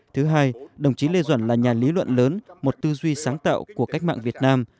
thứ hai đồng chí lê duẩn là nhà lý luận lớn một tư duy sáng tạo của cách mạng việt nam